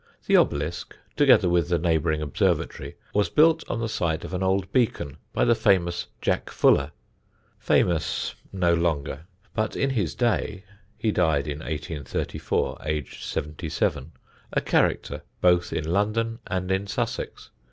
The obelisk, together with the neighbouring observatory, was built on the site of an old beacon by the famous Jack Fuller famous no longer, but in his day (he died in 1834 aged seventy seven) a character both in London and in Sussex.